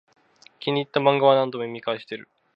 気に入ったマンガは何度も読み返してる